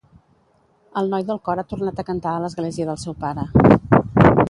El noi del cor ha tornat a cantar a l'església del seu pare.